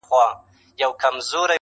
د ژوند دوهم جنم دې حد ته رسولی يمه.